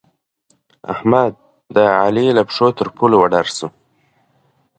احمد؛ د علي له پښو ترپولو څخه وډار شو.